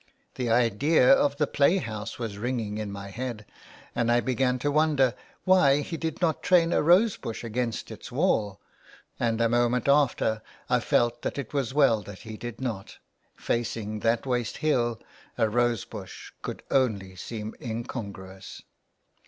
The idea of the play house was ringing in my head and I began to wonder why he did not train a rose bush against its wall ; and 226 A PLAY HOUSE IN THE WASTE. a moment after I felt that it was well that he did not, facing that waste hill a rose bush could only seem incongruous.